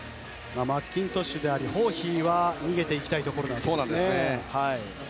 マッキントッシュでありホーヒーは逃げていきたいところ。